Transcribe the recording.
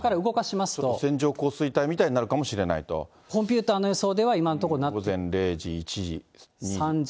線状降水帯みたいになるかもコンピューターの予想では今午前０時、１時。